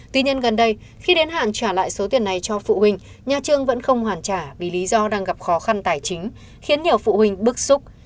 tuy nhiên gần đây khi đến hạn trả lại số tiền này cho phụ huynh nhà trường vẫn không hoàn trả vì lý do đang gặp khó khăn tài chính khiến nhiều phụ huynh bức xúc